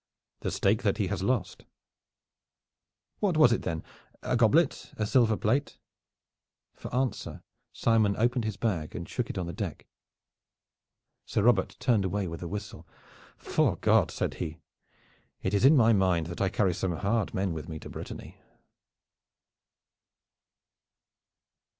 "The stake that he has lost." "What was it then? A goblet? A silver plate?" For answer Simon opened his bag and shook it on the deck. Sir Robert turned away with a whistle. "'Fore God!" said he, "it is in my mind that I carry some hard men with me to Brittany."